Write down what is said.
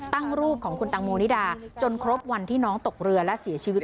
รูปของคุณตังโมนิดาจนครบวันที่น้องตกเรือและเสียชีวิต